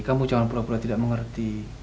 kamu jangan pura pura tidak mengerti